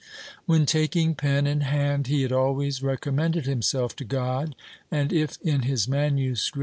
When taking pen in hand he had always recommended himself to God and, if in his MSS.